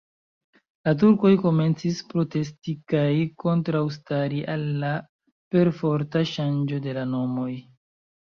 La turkoj komencis protesti kaj kontraŭstari al la perforta ŝanĝo de la nomoj.